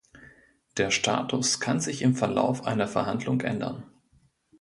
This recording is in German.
Der "status" kann sich im Verlauf einer Verhandlung ändern.